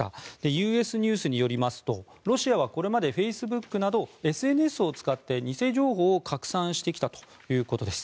ＵＳニュースによりますとロシアはこれまでフェイスブックなどＳＮＳをつかって偽情報を拡散してきたということです。